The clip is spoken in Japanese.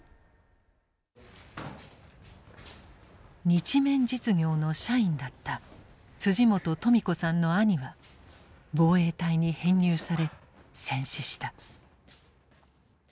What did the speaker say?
日綿実業の社員だった本富子さんの兄は防衛隊に編入され戦死した。